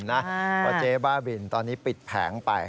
เพราะเจ๊บ้าบินตอนนี้ปิดแผงไป